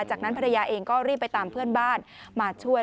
จากนั้นภรรยาเองก็รีบไปตามเพื่อนบ้านมาช่วย